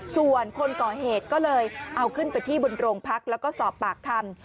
ส่วนคนก่อเหตุก็เลยเอาขึ้นไปที่บนโรงพักแล้วก็สอบปากคำ